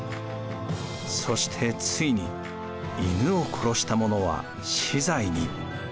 そしてついに犬を殺した者は死罪に。